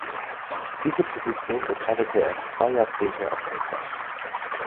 Diese Position bekleidete er zwei Jahrzehnte erfolgreich.